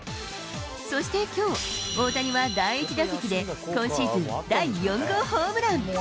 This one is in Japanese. そしてきょう、大谷は第１打席で、今シーズン第４号ホームラン。